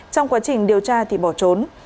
trong quá trình điều tra thì bỏ trốn